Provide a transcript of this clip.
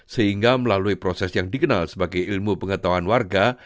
sehingga melalui proses yang dikenal sebagai ilmu pengetahuan warga